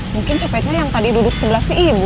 mungkin copetnya yang tadi duduk sebelah si ibu